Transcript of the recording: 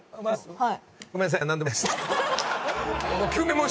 はい。